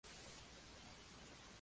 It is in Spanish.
Luego fueron poblando otras familias.